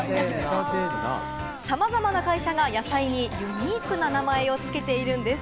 さまざまな会社が野菜にユニークな名前をつけているんです。